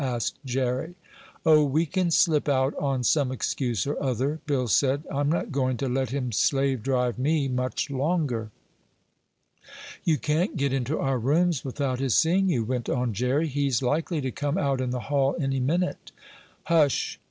asked Jerry. "Oh, we can slip out on some excuse or other," Bill said. "I'm not going to let him slave drive me much longer." "You can't get into our rooms without his seeing you," went on Jerry. "He's likely to come out in the hall any minute." "Hush!